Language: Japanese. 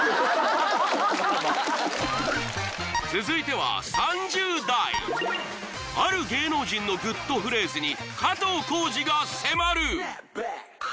続いては３０代ある芸能人のグッとフレーズに加藤浩次が迫る！